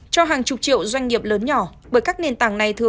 cho hàng chục triệu doanh nghiệp lớn nhỏ